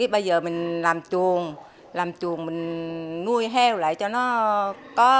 bây giờ mình làm chuồng làm chuồng mình nuôi heo lại cho nó có